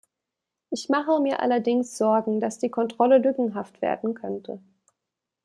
Ich mache mir allerdings Sorgen, dass die Kontrolle lückenhaft werden könnte.